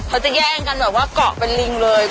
เค้าจะแย่งกันแบบโกะไปลิงเลย